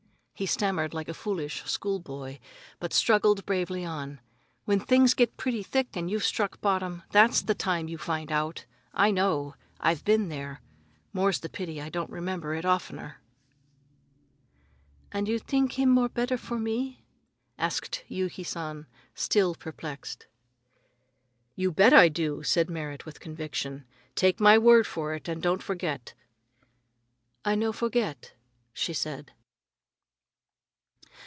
He stammered like a foolish schoolboy, but struggled bravely on: "When things get pretty thick and you've struck bottom, that's the time you find out. I know. I've been there. More's the pity I don't remember it oftener!" "And you think him more better for me?" asked Yuki San, still perplexed. "You bet I do!" said Merrit with conviction. "Take my word for it and don't forget." "I no forget," she said.